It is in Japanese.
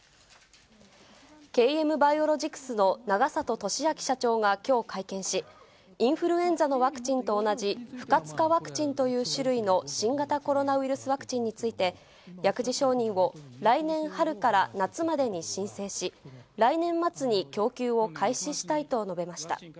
ＫＭバイオロジクスの永里としあき社長がきょう会見し、インフルエンザのワクチンと同じ、不活化ワクチンという種類の新型コロナウイルスワクチンについて、薬事承認を来年春から夏までに申請し、来年末に供給を開始したいと述べました。